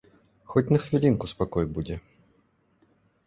Хоць на хвілінку спакой будзе.